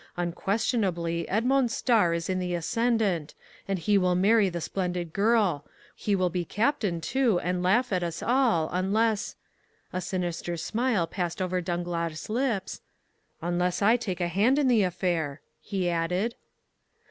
Unquestionably, Edmond's star is in the ascendant, and he will marry the splendid girl—he will be captain, too, and laugh at us all, unless"—a sinister smile passed over Danglars' lips—"unless I take a hand in the affair," he added.